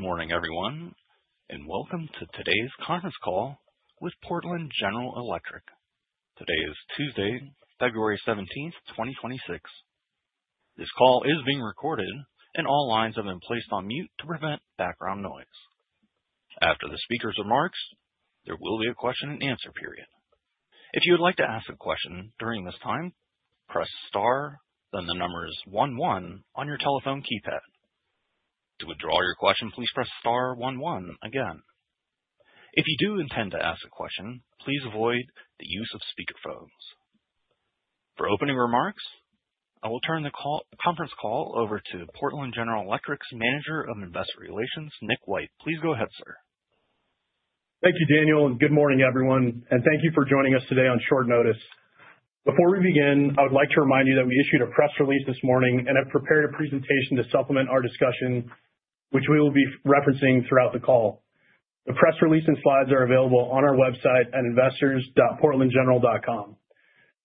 Good morning, everyone, and welcome to today's conference call with Portland General Electric. Today is Tuesday, February 17, 2026. This call is being recorded, and all lines have been placed on mute to prevent background noise. After the speaker's remarks, there will be a question and answer period. If you would like to ask a question during this time, press star, then the numbers one one on your telephone keypad. To withdraw your question, please press star one one again. If you do intend to ask a question, please avoid the use of speakerphones. For opening remarks, I will turn the conference call over to Portland General Electric's Manager of Investor Relations, Nick White. Please go ahead, sir. Thank you, Daniel, and good morning, everyone, and thank you for joining us today on short notice. Before we begin, I would like to remind you that we issued a press release this morning and have prepared a presentation to supplement our discussion, which we will be referencing throughout the call. The press release and slides are available on our website at investors.portlandgeneral.com.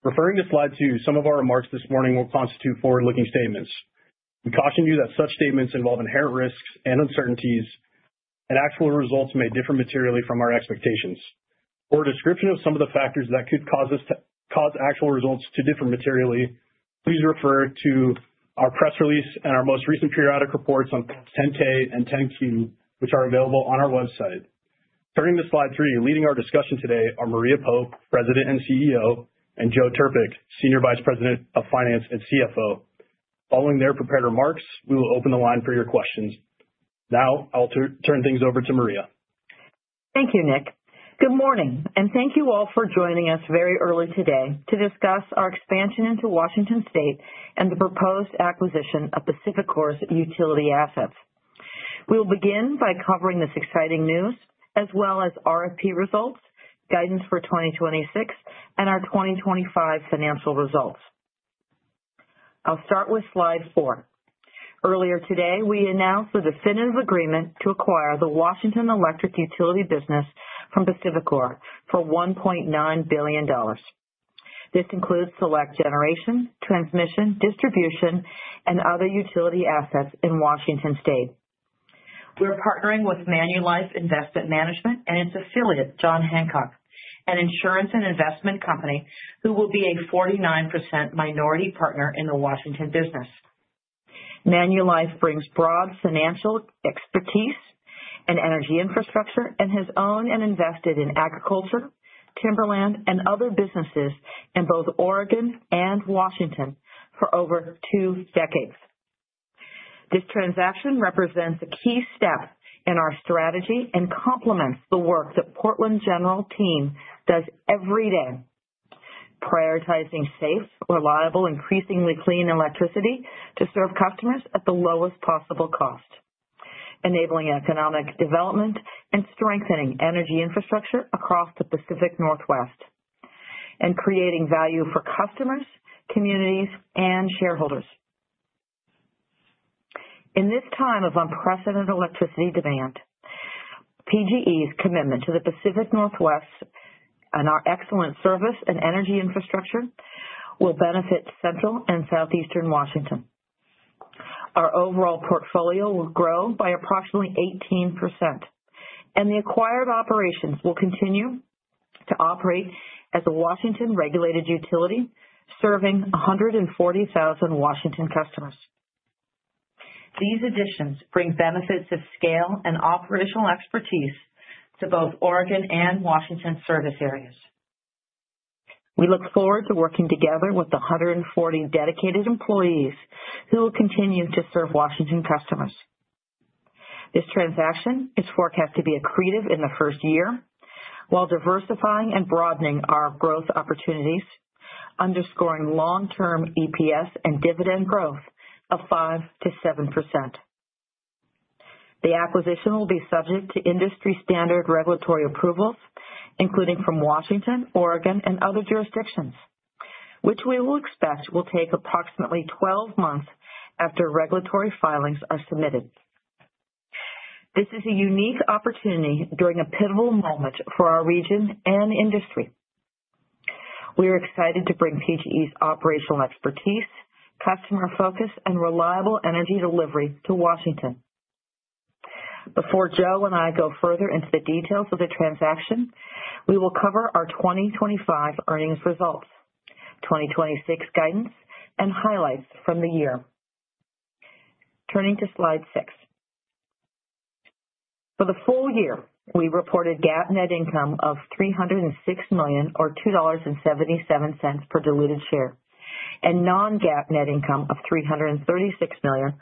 Referring to Slide 2, some of our remarks this morning will constitute forward-looking statements. We caution you that such statements involve inherent risks and uncertainties, and actual results may differ materially from our expectations. For a description of some of the factors that could cause actual results to differ materially, please refer to our press release and our most recent periodic reports on 10-K and 10-Q, which are available on our website. Turning to Slide 3, leading our discussion today are Maria Pope, President and CEO, and Joe Trpik, Senior Vice President of Finance and CFO. Following their prepared remarks, we will open the line for your questions. Now, I'll turn things over to Maria. Thank you, Nick. Good morning, and thank you all for joining us very early today to discuss our expansion into Washington State and the proposed acquisition of PacifiCorp's utility assets. We'll begin by covering this exciting news, as well as RFP results, guidance for 2026, and our 2025 financial results. I'll start with Slide 4. Earlier today, we announced the definitive agreement to acquire the Washington electric utility business from PacifiCorp for $1.9 billion. This includes select generation, transmission, distribution, and other utility assets in Washington State. We are partnering with Manulife Investment Management and its affiliate, John Hancock, an insurance and investment company, who will be a 49% minority partner in the Washington business. Manulife brings broad financial expertise and energy infrastructure and has owned and invested in agriculture, timberland, and other businesses in both Oregon and Washington for over two decades. This transaction represents a key step in our strategy and complements the work that Portland General team does every day, prioritizing safe, reliable, increasingly clean electricity to serve customers at the lowest possible cost, enabling economic development and strengthening energy infrastructure across the Pacific Northwest, and creating value for customers, communities, and shareholders. In this time of unprecedented electricity demand, PGE's commitment to the Pacific Northwest and our excellent service and energy infrastructure will benefit Central and Southeastern Washington. Our overall portfolio will grow by approximately 18%, and the acquired operations will continue to operate as a Washington-regulated utility, serving 140,000 Washington customers. These additions bring benefits of scale and operational expertise to both Oregon and Washington service areas. We look forward to working together with the 140 dedicated employees who will continue to serve Washington customers. This transaction is forecast to be accretive in the first year, while diversifying and broadening our growth opportunities, underscoring long-term EPS and dividend growth of 5%-7%. The acquisition will be subject to industry-standard regulatory approvals, including from Washington, Oregon, and other jurisdictions, which we will expect will take approximately 12 months after regulatory filings are submitted. This is a unique opportunity during a pivotal moment for our region and industry. We are excited to bring PGE's operational expertise, customer focus, and reliable energy delivery to Washington. Before Joe and I go further into the details of the transaction, we will cover our 2025 earnings results, 2026 guidance, and highlights from the year. Turning to Slide 6. For the full year, we reported GAAP net income of $306 million, or $2.77 per diluted share, and non-GAAP net income of $336 million,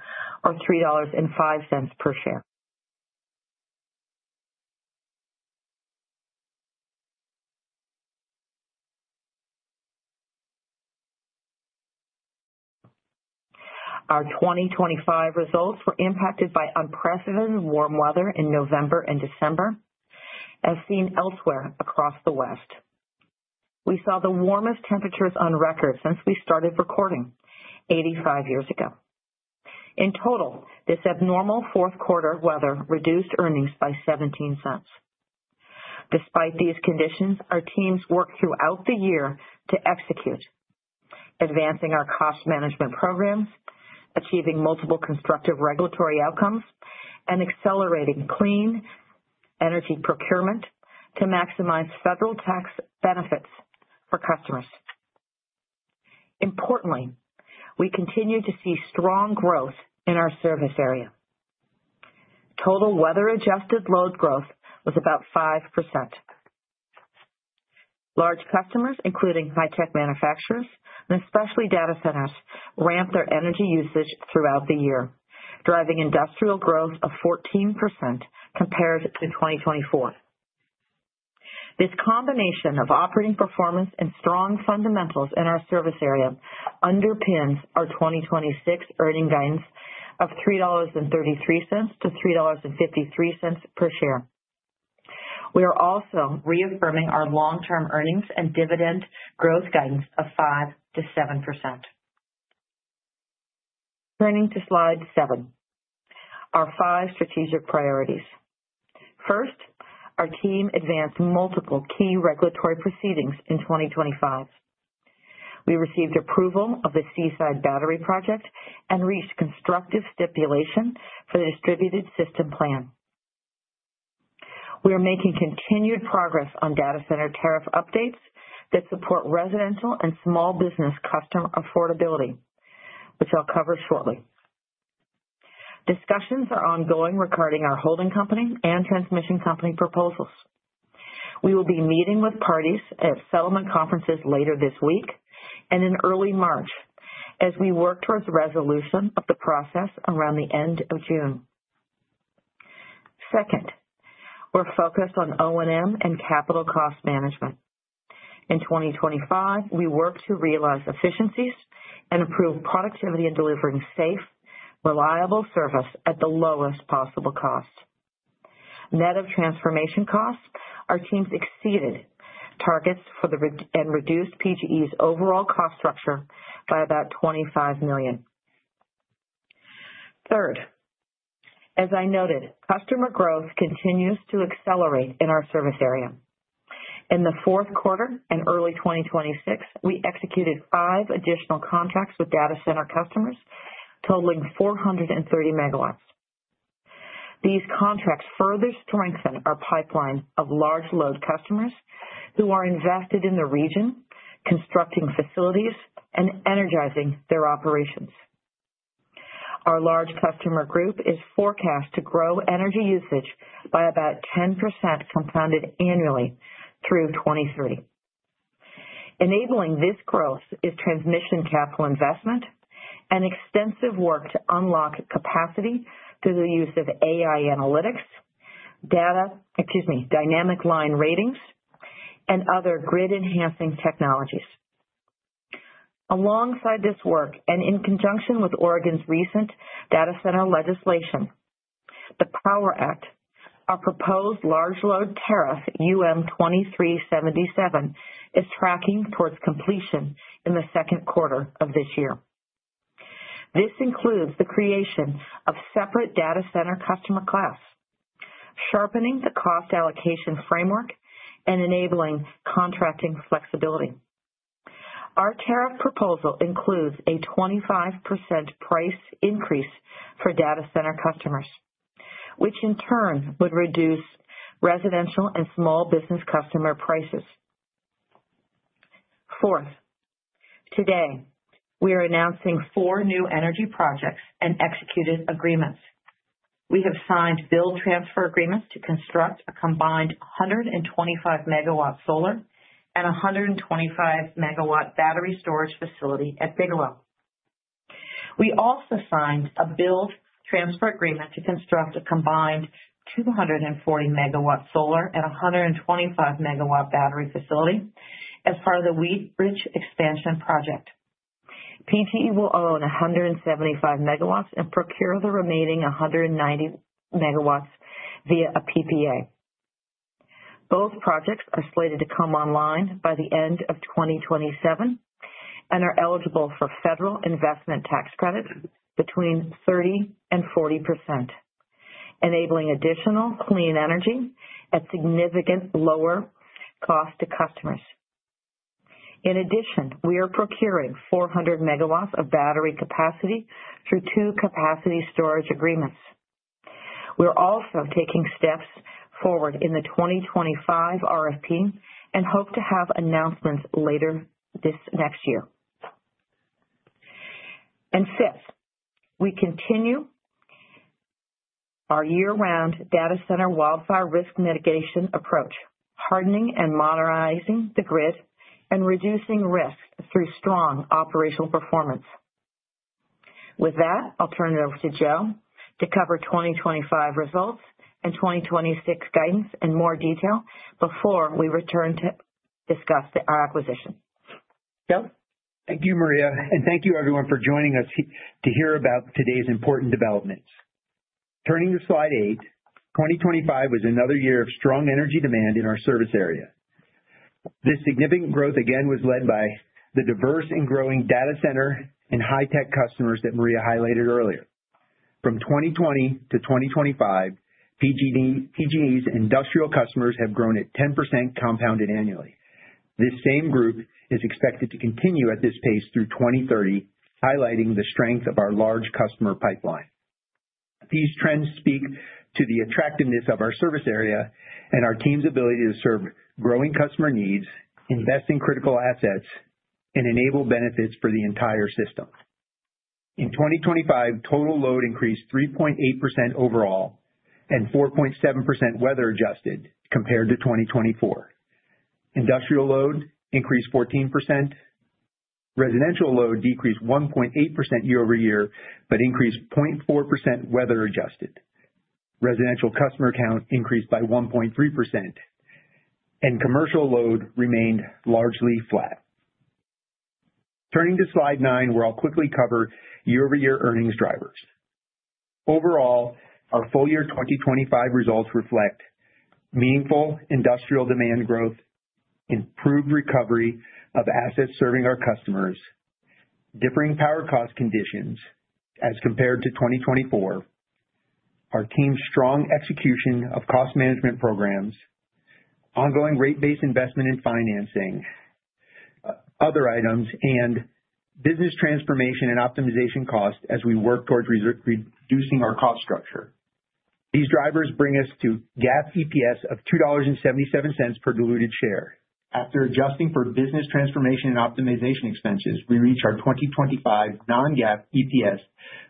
or $3.05 per share. Our 2025 results were impacted by unprecedented warm weather in November and December, as seen elsewhere across the West. We saw the warmest temperatures on record since we started recording 85 years ago. In total, this abnormal fourth quarter weather reduced earnings by $0.17. Despite these conditions, our teams worked throughout the year to execute, advancing our cost management programs, achieving multiple constructive regulatory outcomes, and accelerating clean energy procurement to maximize federal tax benefits for customers. Importantly, we continue to see strong growth in our service area. Total weather-adjusted load growth was about 5%. Large customers, including high-tech manufacturers and especially data centers, ramped their energy usage throughout the year, driving industrial growth of 14% compared to 2024. This combination of operating performance and strong fundamentals in our service area underpins our 2026 earnings guidance of $3.33-$3.53 per share. We are also reaffirming our long-term earnings and dividend growth guidance of 5%-7%. Turning to Slide 7, our 5 strategic priorities. First, our team advanced multiple key regulatory proceedings in 2025. We received approval of the Seaside Battery Project and reached constructive stipulation for the distributed system plan. We are making continued progress on data center tariff updates that support residential and small business customer affordability, which I'll cover shortly. Discussions are ongoing regarding our holding company and transmission company proposals. We will be meeting with parties at settlement conferences later this week and in early March as we work towards resolution of the process around the end of June. Second, we're focused on O&M and capital cost management. In 2025, we worked to realize efficiencies and improve productivity in delivering safe, reliable service at the lowest possible cost. Net of transformation costs, our teams exceeded targets for the reduction and reduced PGE's overall cost structure by about $25 million. Third, as I noted, customer growth continues to accelerate in our service area. In the fourth quarter and early 2026, we executed 5 additional contracts with data center customers, totaling 430 MW. These contracts further strengthen our pipeline of large load customers who are invested in the region, constructing facilities, and energizing their operations. Our large customer group is forecast to grow energy usage by about 10% compounded annually through 2023. Enabling this growth is transmission capital investment and extensive work to unlock capacity through the use of AI analytics, data, excuse me, Dynamic Line Ratings, and other grid-enhancing technologies. Alongside this work, and in conjunction with Oregon's recent data center legislation, the POWER Act, our proposed large load tariff, UM2377, is tracking towards completion in the second quarter of this year. This includes the creation of separate data center customer class, sharpening the cost allocation framework, and enabling contracting flexibility. Our tariff proposal includes a 25% price increase for data center customers, which in turn would reduce residential and small business customer prices. Fourth, today, we are announcing four new energy projects and executed agreements. We have signed build transfer agreements to construct a combined 125-megawatt solar and 125-megawatt battery storage facility at Biglow. We also signed a build transfer agreement to construct a combined 240-megawatt solar and 125-megawatt battery facility as part of the Wheatridge expansion project. PGE will own 175 megawatts and procure the remaining 190 megawatts via a PPA. Both projects are slated to come online by the end of 2027 and are eligible for federal investment tax credits between 30% and 40%, enabling additional clean energy at significant lower cost to customers. In addition, we are procuring 400 megawatts of battery capacity through two capacity storage agreements. We're also taking steps forward in the 2025 RFP and hope to have announcements later this next year. And fifth, we continue our year-round data center wildfire risk mitigation approach, hardening and modernizing the grid and reducing risk through strong operational performance. With that, I'll turn it over to Joe to cover 2025 results and 2026 guidance in more detail before we return to discuss the acquisition. Joe? Thank you, Maria, and thank you everyone for joining us to hear about today's important developments. Turning to Slide 8, 2025 was another year of strong energy demand in our service area. This significant growth, again, was led by the diverse and growing data center and high-tech customers that Maria highlighted earlier. From 2020 to 2025, PGE's industrial customers have grown at 10% compounded annually. This same group is expected to continue at this pace through 2030, highlighting the strength of our large customer pipeline. These trends speak to the attractiveness of our service area and our team's ability to serve growing customer needs, invest in critical assets, and enable benefits for the entire system. In 2025, total load increased 3.8% overall and 4.7% weather adjusted compared to 2024. Industrial load increased 14%, residential load decreased 1.8% year-over-year, but increased 0.4% weather adjusted. Residential customer count increased by 1.3%, and commercial load remained largely flat. Turning to Slide 9, where I'll quickly cover year-over-year earnings drivers. Overall, our full year 2025 results reflect meaningful industrial demand growth, improved recovery of assets serving our customers, differing power cost conditions as compared to 2024, our team's strong execution of cost management programs, ongoing rate base investment in financing, other items, and business transformation and optimization costs as we work towards reducing our cost structure. These drivers bring us to GAAP EPS of $2.77 per diluted share. After adjusting for business transformation and optimization expenses, we reach our 2025 non-GAAP EPS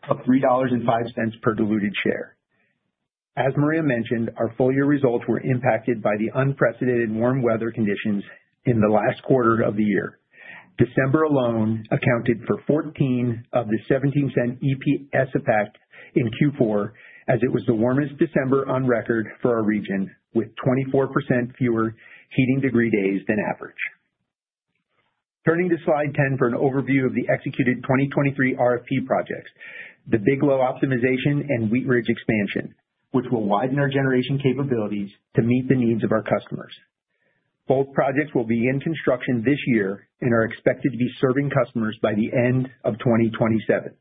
of $3.05 per diluted share. As Maria mentioned, our full year results were impacted by the unprecedented warm weather conditions in the last quarter of the year. December alone accounted for 14 of the 17-cent EPS effect in Q4, as it was the warmest December on record for our region, with 24% fewer heating degree days than average. Turning to Slide 10 for an overview of the executed 2023 RFP projects, the Biglow optimization and Wheatridge expansion, which will widen our generation capabilities to meet the needs of our customers. Both projects will be in construction this year and are expected to be serving customers by the end of 2027.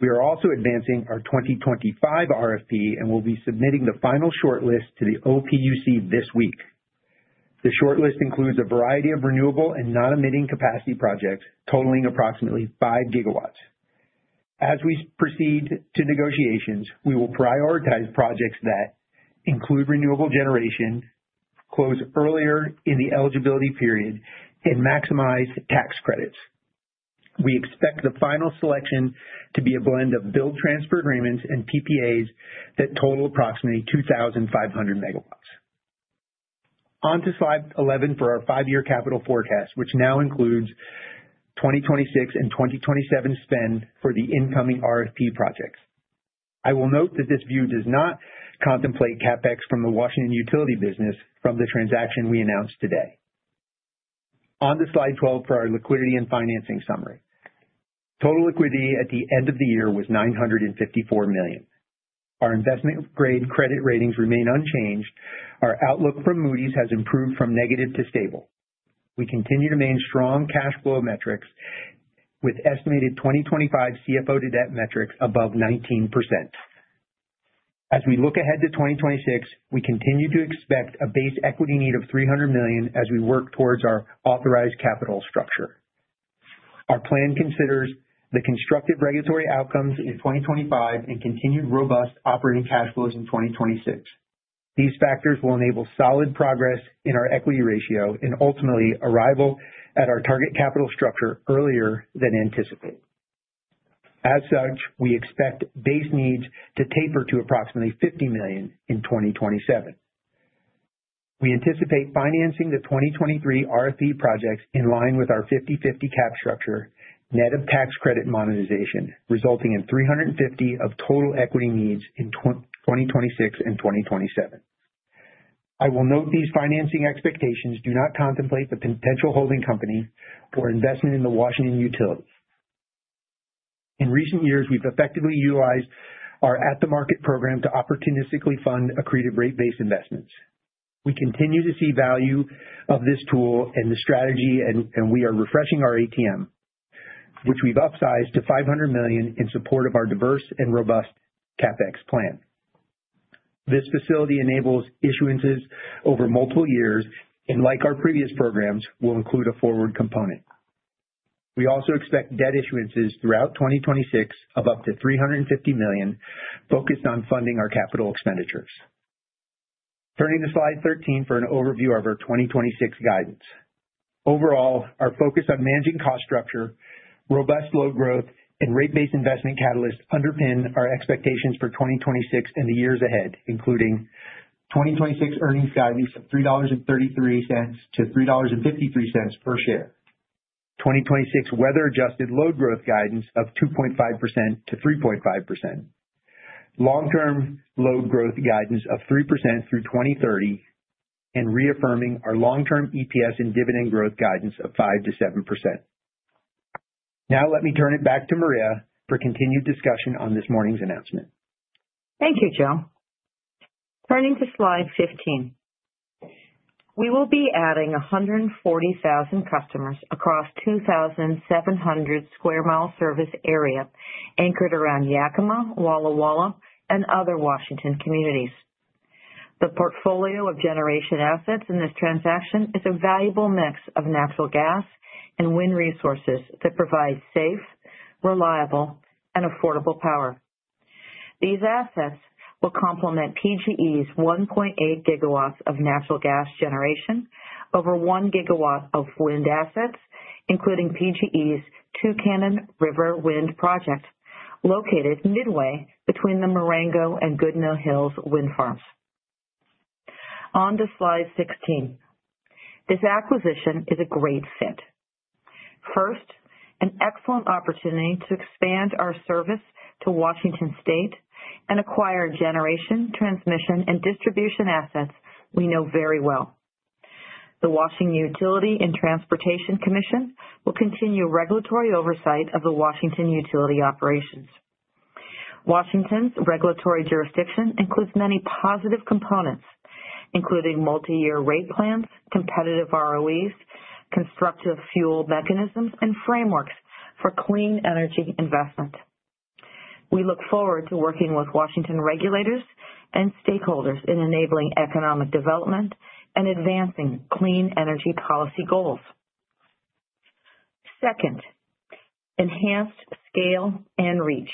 We are also advancing our 2025 RFP, and we'll be submitting the final shortlist to the OPUC this week. The shortlist includes a variety of renewable and non-emitting capacity projects totaling approximately 5 GW. As we proceed to negotiations, we will prioritize projects that include renewable generation, close earlier in the eligibility period, and maximize tax credits. We expect the final selection to be a blend of build transfer agreements and PPAs that total approximately 2,500 megawatts. On to Slide 11 for our five-year capital forecast, which now includes 2026 and 2027 spend for the incoming RFP projects. I will note that this view does not contemplate CapEx from the Washington utility business from the transaction we announced today. On to Slide 12 for our liquidity and financing summary. Total liquidity at the end of the year was $954 million. Our investment-grade credit ratings remain unchanged. Our outlook from Moody's has improved from negative to stable. We continue to maintain strong cash flow metrics, with estimated 2025 CFO to debt metrics above 19%. As we look ahead to 2026, we continue to expect a base equity need of $300 million as we work towards our authorized capital structure. Our plan considers the constructive regulatory outcomes in 2025 and continued robust operating cash flows in 2026. These factors will enable solid progress in our equity ratio and ultimately arrival at our target capital structure earlier than anticipated. As such, we expect base needs to taper to approximately $50 million in 2027. We anticipate financing the 2023 RFP projects in line with our 50/50 cap structure, net of tax credit monetization, resulting in 350 of total equity needs in 2026 and 2027. I will note these financing expectations do not contemplate the potential holding company for investment in the Washington utilities. In recent years, we've effectively utilized our at-the-market program to opportunistically fund accretive rate-based investments. We continue to see value of this tool and the strategy, and we are refreshing our ATM, which we've upsized to $500 million in support of our diverse and robust CapEx plan. This facility enables issuances over multiple years, and like our previous programs, will include a forward component. We also expect debt issuances throughout 2026 of up to $350 million, focused on funding our capital expenditures. Turning to Slide 13 for an overview of our 2026 guidance. Overall, our focus on managing cost structure, robust load growth, and rate-based investment catalysts underpin our expectations for 2026 and the years ahead, including 2026 earnings guidance of $3.33-$3.53 per share. 2026 weather-adjusted load growth guidance of 2.5%-3.5%. Long-term load growth guidance of 3% through 2030, and reaffirming our long-term EPS and dividend growth guidance of 5%-7%. Now let me turn it back to Maria for continued discussion on this morning's announcement. Thank you, Joe. Turning to Slide 15. We will be adding 140,000 customers across 2,700 sq mi service area, anchored around Yakima, Walla Walla, and other Washington communities. The portfolio of generation assets in this transaction is a valuable mix of natural gas and wind resources that provide safe, reliable, and affordable power. These assets will complement PGE's 1.8 GW of natural gas generation, over 1 GW of wind assets, including PGE's Tucannon River Wind Project, located midway between the Marengo and Goodnoe Hills wind farms. On to Slide 16. This acquisition is a great fit. First, an excellent opportunity to expand our service to Washington State and acquire generation, transmission, and distribution assets we know very well. The Washington Utilities and Transportation Commission will continue regulatory oversight of the Washington utility operations. Washington's regulatory jurisdiction includes many positive components, including multi-year rate plans, competitive ROEs, constructive fuel mechanisms, and frameworks for clean energy investment. We look forward to working with Washington regulators and stakeholders in enabling economic development and advancing clean energy policy goals. Second, enhanced scale and reach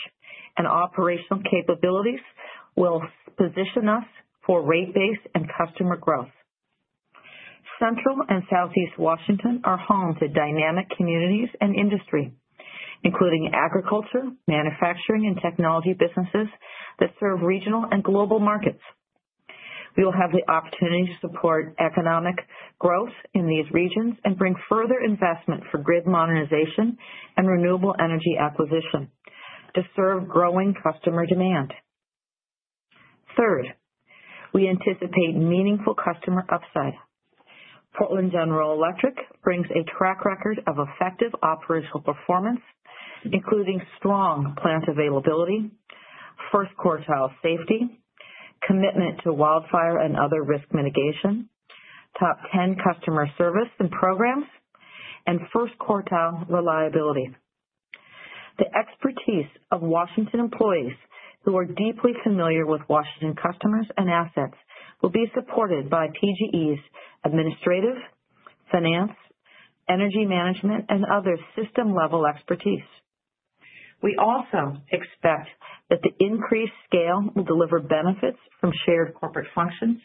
and operational capabilities will position us for rate base and customer growth. Central and Southeast Washington are home to dynamic communities and industry, including agriculture, manufacturing, and technology businesses that serve regional and global markets. We will have the opportunity to support economic growth in these regions and bring further investment for grid modernization and renewable energy acquisition to serve growing customer demand. Third, we anticipate meaningful customer upside. Portland General Electric brings a track record of effective operational performance, including strong plant availability, first quartile safety, commitment to wildfire and other risk mitigation, top 10 customer service and programs, and first quartile reliability. The expertise of Washington employees, who are deeply familiar with Washington customers and assets, will be supported by PGE's administrative, finance, energy management, and other system-level expertise. We also expect that the increased scale will deliver benefits from shared corporate functions,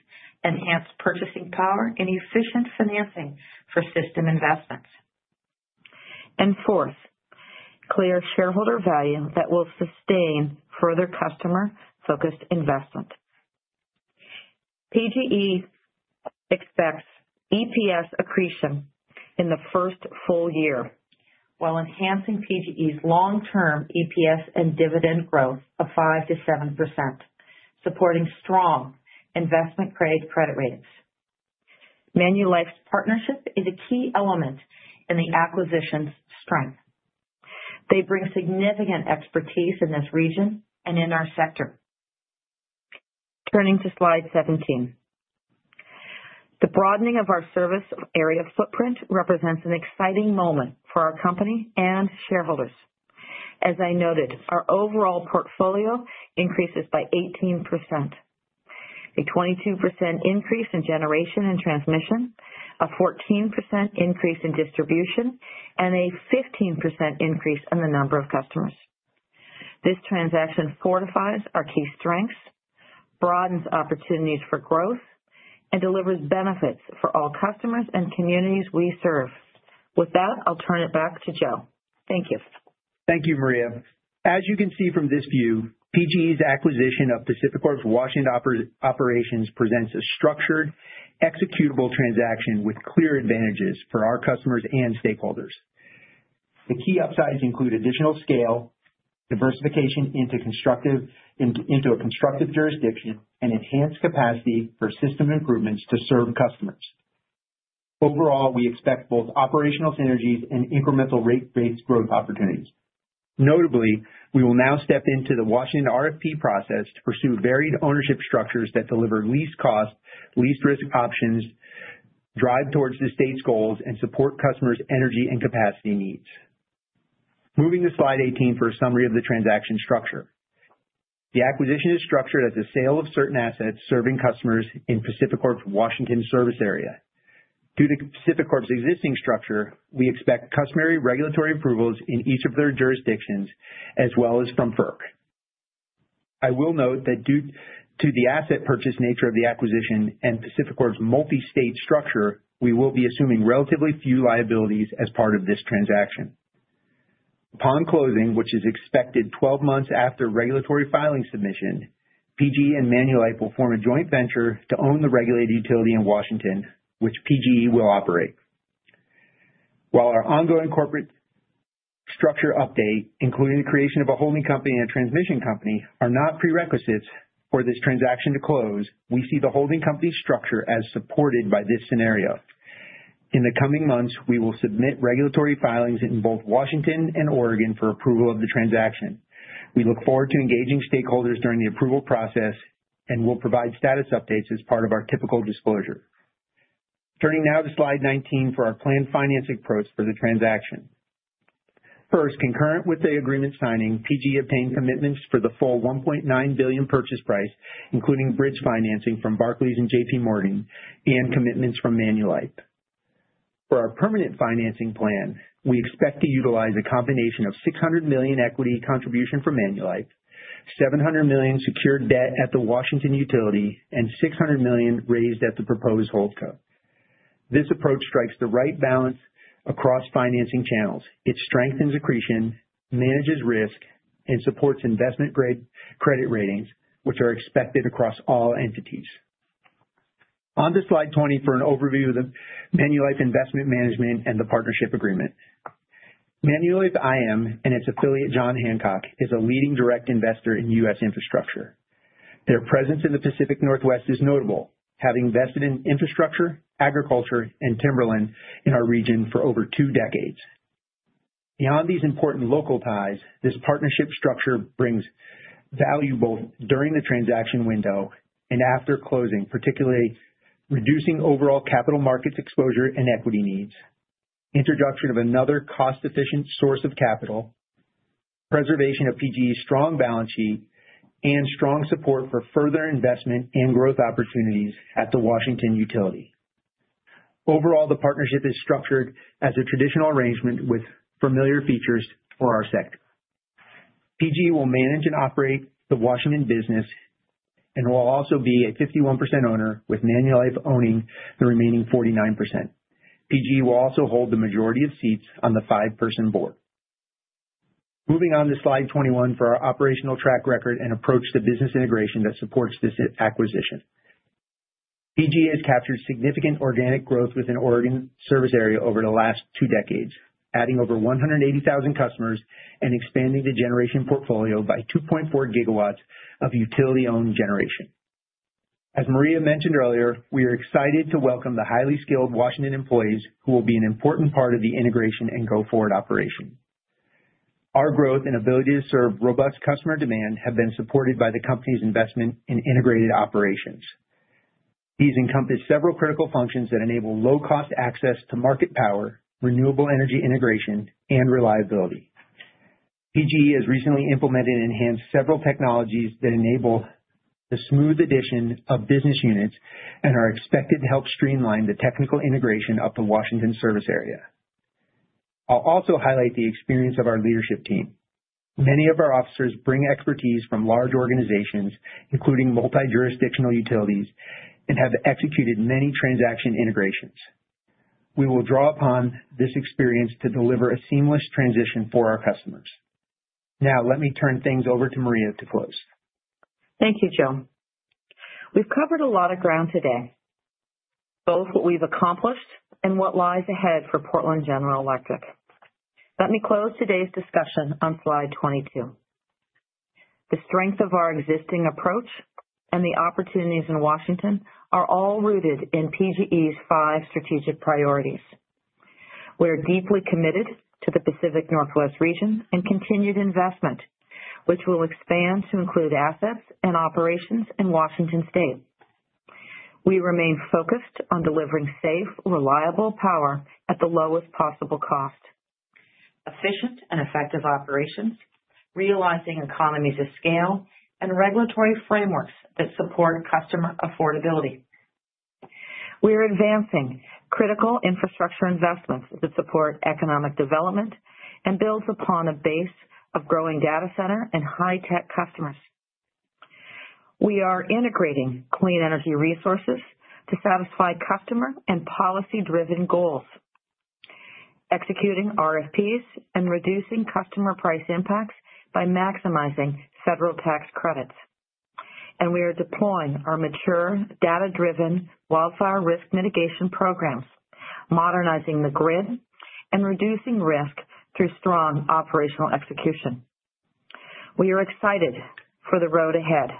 enhanced purchasing power, and efficient financing for system investments. And fourth, clear shareholder value that will sustain further customer-focused investment. PGE expects EPS accretion in the first full year, while enhancing PGE's long-term EPS and dividend growth of 5%-7%, supporting strong investment-grade credit ratings. Manulife's partnership is a key element in the acquisition's strength. They bring significant expertise in this region and in our sector. Turning to Slide 17. The broadening of our service area footprint represents an exciting moment for our company and shareholders. As I noted, our overall portfolio increases by 18%, a 22% increase in generation and transmission, a 14% increase in distribution, and a 15% increase in the number of customers. This transaction fortifies our key strengths, broadens opportunities for growth, and delivers benefits for all customers and communities we serve. With that, I'll turn it back to Joe. Thank you. Thank you, Maria. As you can see from this view, PGE's acquisition of PacifiCorp's Washington operations presents a structured, executable transaction with clear advantages for our customers and stakeholders. The key upsides include additional scale, diversification into a constructive jurisdiction, and enhanced capacity for system improvements to serve customers. Overall, we expect both operational synergies and incremental rate-based growth opportunities. Notably, we will now step into the Washington RFP process to pursue varied ownership structures that deliver least cost, least risk options, drive towards the state's goals, and support customers' energy and capacity needs. Moving to Slide 18 for a summary of the transaction structure. The acquisition is structured as a sale of certain assets serving customers in PacifiCorp's Washington service area. Due to PacifiCorp's existing structure, we expect customary regulatory approvals in each of their jurisdictions, as well as from FERC. I will note that due to the asset purchase nature of the acquisition and PacifiCorp's multi-state structure, we will be assuming relatively few liabilities as part of this transaction. Upon closing, which is expected 12 months after regulatory filing submission, PGE and Manulife will form a joint venture to own the regulated utility in Washington, which PGE will operate. While our ongoing corporate structure update, including the creation of a holding company and transmission company, are not prerequisites for this transaction to close, we see the holding company structure as supported by this scenario. In the coming months, we will submit regulatory filings in both Washington and Oregon for approval of the transaction. We look forward to engaging stakeholders during the approval process, and we'll provide status updates as part of our typical disclosure. Turning now to Slide 19 for our planned financing approach for the transaction. First, concurrent with the agreement signing, PGE obtained commitments for the full $1.9 billion purchase price, including bridge financing from Barclays and JP Morgan, and commitments from Manulife. For our permanent financing plan, we expect to utilize a combination of $600 million equity contribution from Manulife, $700 million secured debt at the Washington utility, and $600 million raised at the proposed holdco. This approach strikes the right balance across financing channels. It strengthens accretion, manages risk, and supports investment-grade credit ratings, which are expected across all entities. On to Slide 20 for an overview of the Manulife Investment Management and the partnership agreement. Manulife IM and its affiliate, John Hancock, is a leading direct investor in U.S. infrastructure. Their presence in the Pacific Northwest is notable, having invested in infrastructure, agriculture, and timberland in our region for over two decades. Beyond these important local ties, this partnership structure brings value both during the transaction window and after closing, particularly reducing overall capital markets exposure and equity needs, introduction of another cost-efficient source of capital, preservation of PGE's strong balance sheet, and strong support for further investment and growth opportunities at the Washington utility. Overall, the partnership is structured as a traditional arrangement with familiar features for our sector. PGE will manage and operate the Washington business and will also be a 51% owner, with Manulife owning the remaining 49%. PGE will also hold the majority of seats on the 5-person board. Moving on to Slide 21 for our operational track record and approach to business integration that supports this acquisition. PGE has captured significant organic growth within Oregon service area over the last two decades, adding over 180,000 customers and expanding the generation portfolio by 2.4 GW of utility-owned generation. As Maria mentioned earlier, we are excited to welcome the highly skilled Washington employees, who will be an important part of the integration and go-forward operation. Our growth and ability to serve robust customer demand have been supported by the company's investment in integrated operations. These encompass several critical functions that enable low-cost access to market power, renewable energy integration, and reliability. PGE has recently implemented and enhanced several technologies that enable the smooth addition of business units and are expected to help streamline the technical integration of the Washington service area. I'll also highlight the experience of our leadership team. Many of our officers bring expertise from large organizations, including multi-jurisdictional utilities, and have executed many transaction integrations. We will draw upon this experience to deliver a seamless transition for our customers. Now, let me turn things over to Maria to close. Thank you, Joe. We've covered a lot of ground today, both what we've accomplished and what lies ahead for Portland General Electric. Let me close today's discussion on Slide 22. The strength of our existing approach and the opportunities in Washington are all rooted in PGE's five strategic priorities. We are deeply committed to the Pacific Northwest region and continued investment, which will expand to include assets and operations in Washington state. We remain focused on delivering safe, reliable power at the lowest possible cost, efficient and effective operations, realizing economies of scale, and regulatory frameworks that support customer affordability. We are advancing critical infrastructure investments that support economic development and builds upon a base of growing data center and high-tech customers. We are integrating clean energy resources to satisfy customer and policy-driven goals, executing RFPs and reducing customer price impacts by maximizing federal tax credits. We are deploying our mature, data-driven wildfire risk mitigation programs, modernizing the grid, and reducing risk through strong operational execution. We are excited for the road ahead.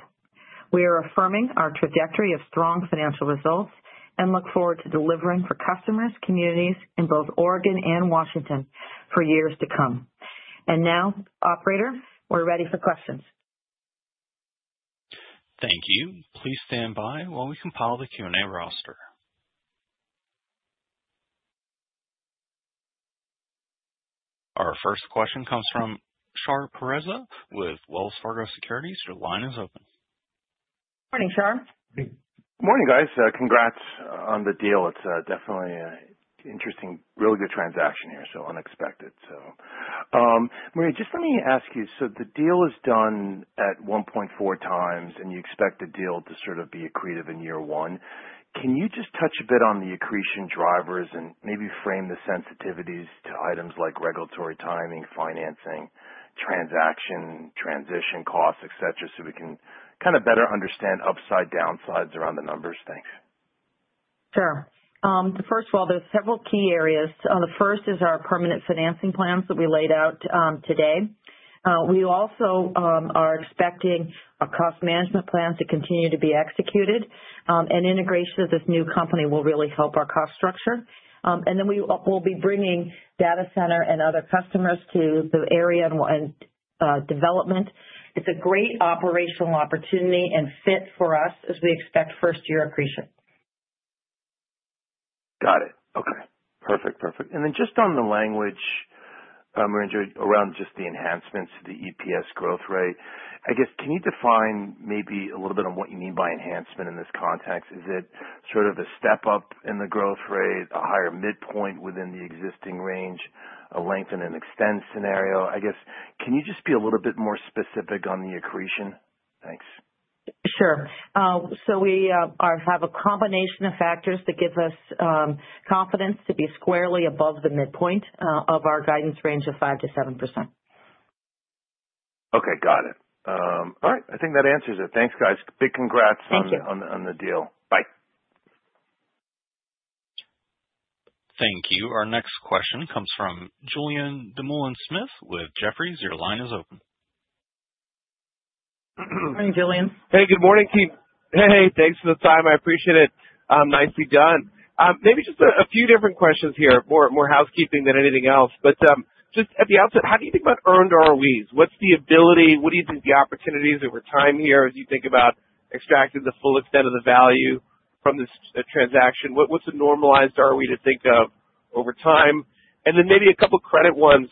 We are affirming our trajectory of strong financial results and look forward to delivering for customers, communities in both Oregon and Washington for years to come. And now, operator, we're ready for questions. Thank you. Please stand by while we compile the Q&A roster. Our first question comes from Shar Pourreza with Wells Fargo Securities. Your line is open. Morning, Shar. Morning, guys. Congrats on the deal. It's definitely an interesting, really good transaction here, so unexpected. Maria, just let me ask you: so the deal is done at 1.4 times, and you expect the deal to sort of be accretive in year one. Can you just touch a bit on the accretion drivers and maybe frame the sensitivities to items like regulatory timing, financing, transaction, transition costs, et cetera, so we can kind of better understand upside, downsides around the numbers? Thanks. Sure. So first of all, there's several key areas. The first is our permanent financing plans that we laid out today. We also are expecting our cost management plan to continue to be executed. And integration of this new company will really help our cost structure. And then we will be bringing data center and other customers to the area and development. It's a great operational opportunity and fit for us as we expect first year accretion. Got it. Okay. Perfect. Perfect. And then just on the language, around just the enhancements to the EPS growth rate, I guess, can you define maybe a little bit on what you mean by enhancement in this context? Is it sort of a step up in the growth rate, a higher midpoint within the existing range, a lengthen and extend scenario? I guess, can you just be a little bit more specific on the accretion? Thanks. Sure. So we have a combination of factors that give us confidence to be squarely above the midpoint of our guidance range of 5%-7%. Okay, got it. All right, I think that answers it. Thanks, guys. Big congrats. Thank you. on the deal. Bye. Thank you. Our next question comes from Julien Dumoulin-Smith with Jefferies. Your line is open. Morning, Julian. Hey, good morning, team. Hey, thanks for the time. I appreciate it. Nicely done. Maybe just a few different questions here, more housekeeping than anything else. But just at the outset, how do you think about earned ROEs? What's the ability? What do you think the opportunities over time here, as you think about extracting the full extent of the value from this transaction? What's a normalized ROE to think of over time? And then maybe a couple credit ones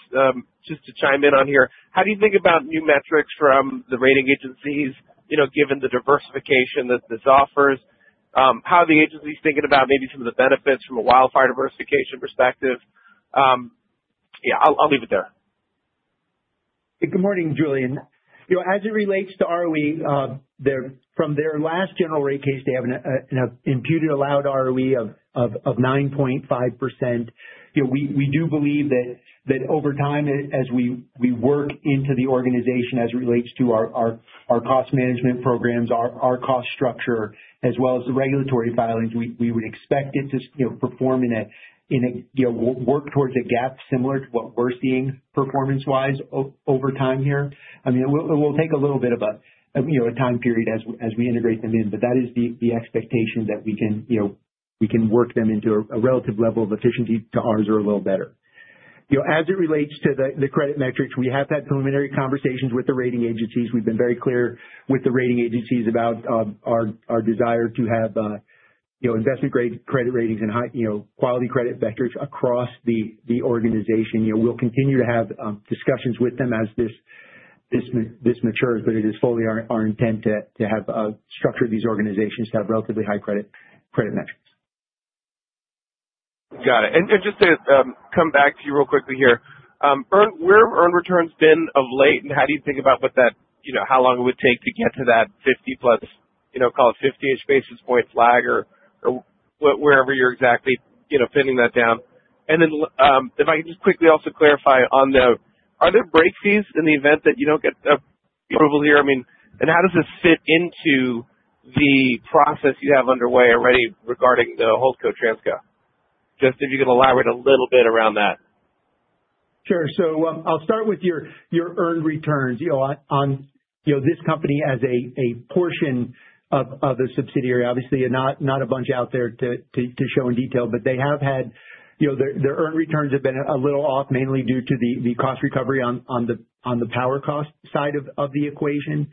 just to chime in on here. How do you think about new metrics from the rating agencies, you know, given the diversification that this offers? How are the agencies thinking about maybe some of the benefits from a wildfire diversification perspective? Yeah, I'll leave it there. Good morning, Julian. You know, as it relates to ROE, from their last general rate case, they have an imputed allowed ROE of 9.5%. You know, we do believe that over time, as we work into the organization as it relates to our cost management programs, our cost structure, as well as the regulatory filings, we would expect it to, you know, perform in a in a, you know, work towards a gap similar to what we're seeing performance-wise over time here. I mean, it will take a little bit of a, you know, time period as we integrate them in, but that is the expectation that we can, you know, work them into a relative level of efficiency to ours or a little better. You know, as it relates to the credit metrics, we have had preliminary conversations with the rating agencies. We've been very clear with the rating agencies about our desire to have, you know, investment grade credit ratings and high, you know, quality credit vectors across the organization. You know, we'll continue to have discussions with them as this matures, but it is fully our intent to have structure these organizations to have relatively high credit metrics. Got it. And, and just to come back to you real quickly here. Where have earned returns been of late, and how do you think about what that, you know, how long it would take to get to that 50+, you know, call it 50-ish basis point lag or, or wherever you're exactly, you know, pinning that down? And then if I can just quickly also clarify on the, are there break fees in the event that you don't get approval here? I mean, and how does this fit into the process you have underway already regarding the Holdco Transco? Just if you could elaborate a little bit around that. Sure. So, I'll start with your earned returns. You know, on this company as a portion of the subsidiary, obviously not a bunch out there to show in detail, but they have hadou know, their earned returns have been a little off, mainly due to the cost recovery on the power cost side of the equation.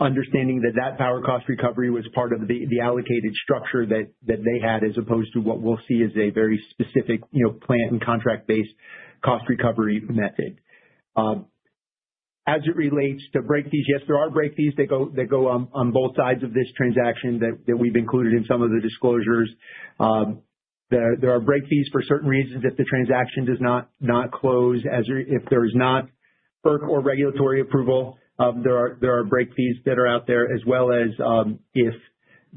Understanding that that power cost recovery was part of the allocated structure that they had, as opposed to what we'll see as a very specific, you know, plant and contract-based cost recovery method. As it relates to break fees, yes, there are break fees that go on both sides of this transaction that we've included in some of the disclosures. There are break fees for certain reasons if the transaction does not close, as if there is not FERC or regulatory approval. There are break fees that are out there, as well as if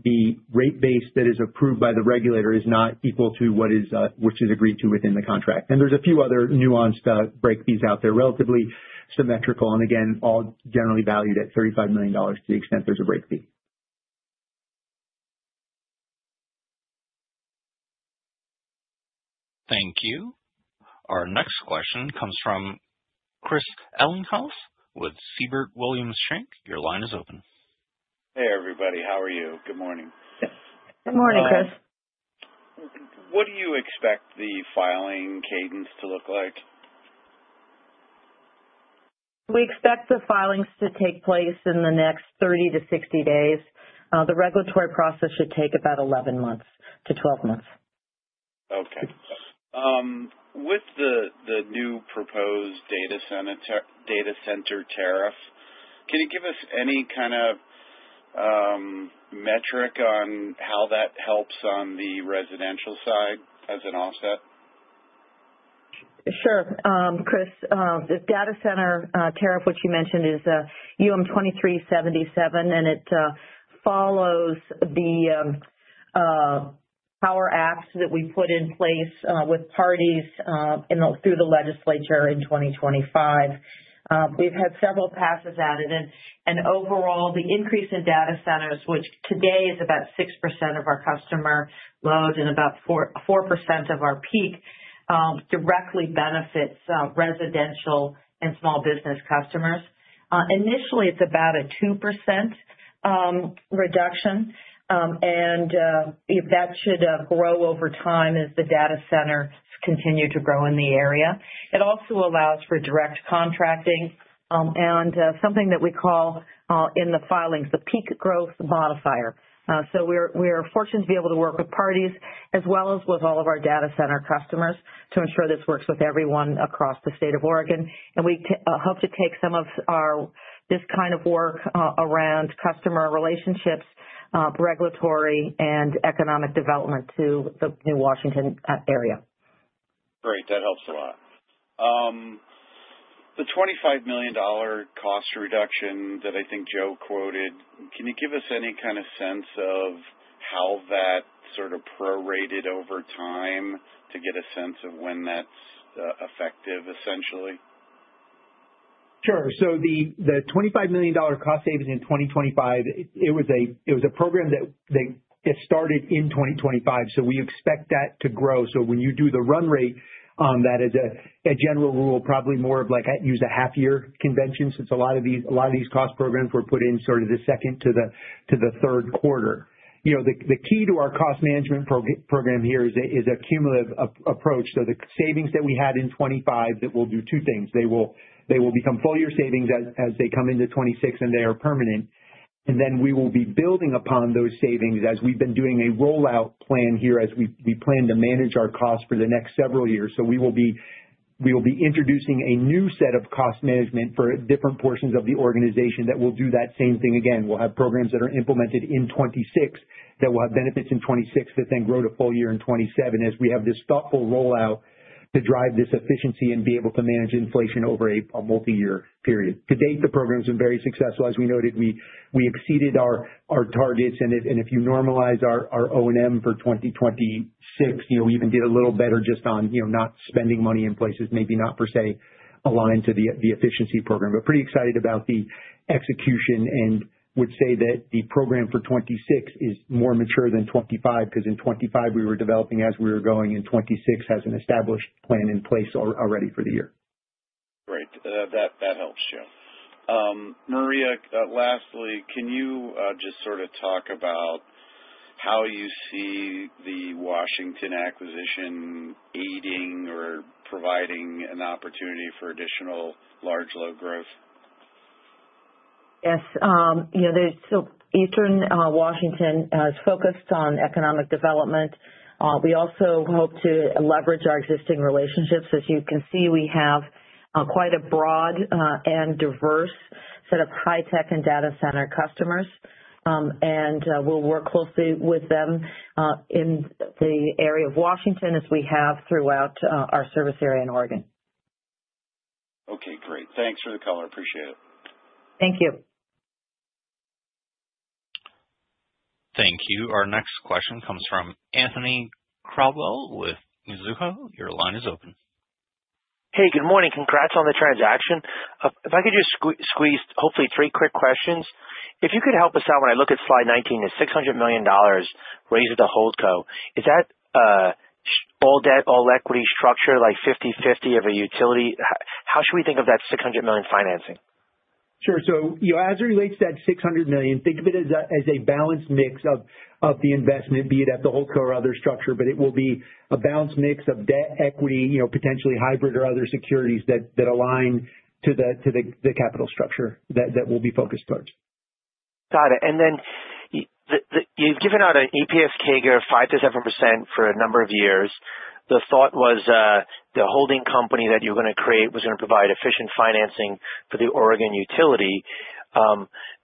the rate base that is approved by the regulator is not equal to which is agreed to within the contract. And there's a few other nuanced break fees out there, relatively symmetrical, and again, all generally valued at $35 million to the extent there's a break fee. Thank you. Our next question comes from Chris Ellinghaus with Siebert Williams Shank. Your line is open. Hey, everybody. How are you? Good morning. Good morning, Chris. What do you expect the filing cadence to look like? We expect the filings to take place in the next 30-60 days. The regulatory process should take about 11-12 months. Okay. With the new proposed data center tariff, can you give us any kind of metric on how that helps on the residential side as an offset? Sure. Chris, the data center tariff, which you mentioned is UM2377, and it follows the POWER Act that we put in place with parties through the legislature in 2025. We've had several passes at it, and overall, the increase in data centers, which today is about 6% of our customer load and about 4% of our peak directly benefits residential and small business customers. Initially, it's about a 2% reduction. And that should grow over time as the data centers continue to grow in the area. It also allows for direct contracting, and something that we call, in the filings, the peak growth modifier. So we are fortunate to be able to work with parties as well as with all of our data center customers, to ensure this works with everyone across the state of Oregon. And we hope to take this kind of work around customer relationships, regulatory and economic development to the new Washington area. Great. That helps a lot. The $25 million cost reduction that I think Joe quoted, can you give us any kind of sense of how that sort of prorated over time to get a sense of when that's effective, essentially? Sure. So the $25 million cost savings in 2025, it was a program that it started in 2025, so we expect that to grow. So when you do the run rate on that, as a general rule, probably more of like use a half year convention, since a lot of these cost programs were put in sort of the second to the third quarter. You know, the key to our cost management program here is a cumulative approach. So the savings that we had in 2025, that will do two things: they will become full year savings as they come into 2026, and they are permanent. Then we will be building upon those savings as we've been doing a rollout plan here, as we plan to manage our costs for the next several years. So we will be introducing a new set of cost management for different portions of the organization that will do that same thing again. We'll have programs that are implemented in 2026, that will have benefits in 2026, that then grow to full year in 2027, as we have this thoughtful rollout to drive this efficiency and be able to manage inflation over a multi-year period. To date, the program's been very successful. As we noted, we exceeded our targets, and if you normalize our O&M for 2026, you know, even did a little better just on, you know, not spending money in places maybe not per se aligned to the efficiency program. We're pretty excited about the execution, and would say that the program for 2026 is more mature than 2025, because in 2025 we were developing as we were going, and 2026 has an established plan in place already for the year. Great. That helps. Yeah. Maria, lastly, can you just sort of talk about how you see the Washington acquisition aiding or providing an opportunity for additional large load growth? Yes. You know, there's so Eastern Washington is focused on economic development. We also hope to leverage our existing relationships. As you can see, we have quite a broad and diverse set of high-tech and data center customers. And we'll work closely with them in the area of Washington, as we have throughout our service area in Oregon. Okay, great. Thanks for the color. Appreciate it. Thank you. Thank you. Our next question comes from Anthony Crowdell with Mizuho. Your line is open. Hey, good morning. Congrats on the transaction. If I could just squeeze hopefully 3 quick questions. If you could help us out, when I look at Slide 19, the $600 million raised at the holdco, is that all debt, all equity structure, like 50/50 of a utility? How should we think of that $600 million financing? Sure. So, you know, as it relates to that $600 million, think of it as a, as a balanced mix of, of the investment, be it at the whole core or other structure, but it will be a balanced mix of debt, equity, you know, potentially hybrid or other securities that, that align to the, to the, the capital structure that, that will be focused towards. Got it. And then the, you've given out an EPS CAGR 5%-7% for a number of years. The thought was, the holding company that you're gonna create was gonna provide efficient financing for the Oregon utility.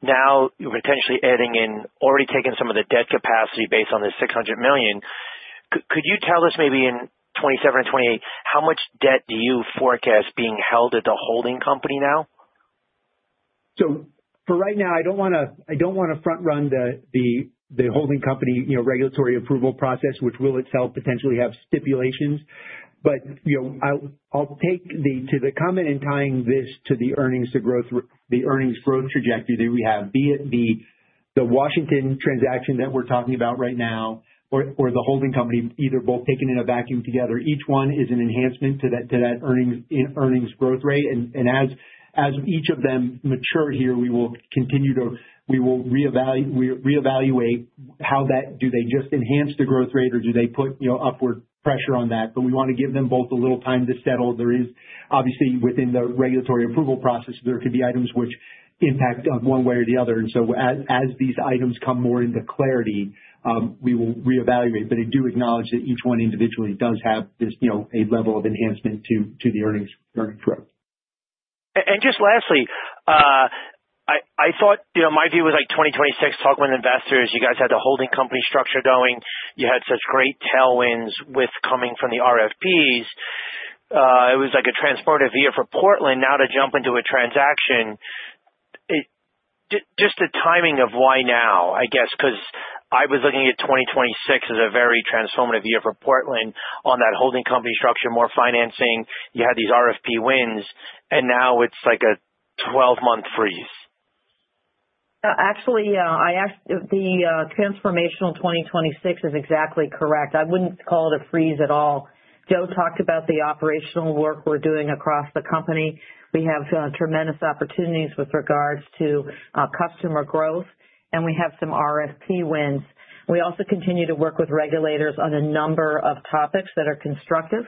Now you're potentially adding in, already taking some of the debt capacity based on the $600 million. Could you tell us maybe in 2027 or 2028, how much debt do you forecast being held at the holding company now? So for right now, I don't wanna front run the holding company, you know, regulatory approval process, which will itself potentially have stipulations. But, you know, I'll take to the comment in tying this to the earnings growth trajectory that we have, be it the Washington transaction that we're talking about right now, or the holding company, either both taken in a vacuum together, each one is an enhancement to that earnings growth rate. And as each of them mature here, we will continue to reevaluate how that, do they just enhance the growth rate or do they put, you know, upward pressure on that? But we want to give them both a little time to settle. There is, obviously, within the regulatory approval process, there could be items which impact one way or the other. And so as these items come more into clarity, we will reevaluate, but I do acknowledge that each one individually does have this, you know, a level of enhancement to the earnings growth. And just lastly, I thought, you know, my view was like 2026, talking with investors, you guys had the holding company structure going. You had such great tailwinds with coming from the RFPs. It was like a transformative year for Portland. Now, to jump into a transaction, just the timing of why now? I guess, because I was looking at 2026 as a very transformative year for Portland on that holding company structure, more financing. You had these RFP wins, and now it's like a 12-month freeze. Actually, the transformational 2026 is exactly correct. I wouldn't call it a freeze at all. Joe talked about the operational work we're doing across the company. We have tremendous opportunities with regards to customer growth, and we have some RFP wins. We also continue to work with regulators on a number of topics that are constructive,